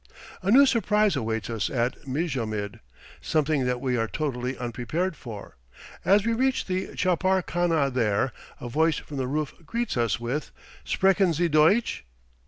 A new surprise awaits us at Mijamid, something that we are totally unprepared for. As we reach the chapar khana there, a voice from the roof greets us with "Sprechen sie Deutsch."